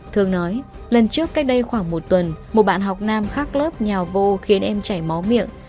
thường nói lần trước cách đây khoảng một tuần một bạn học nam khác lớp nhào vô khiến em chảy máu miệng